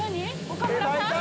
岡村さん？